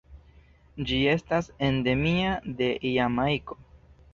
Ĝi estas endemia de Jamajko.